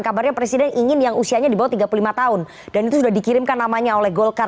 kabarnya presiden ingin yang usianya di bawah tiga puluh lima tahun dan itu sudah dikirimkan namanya oleh golkar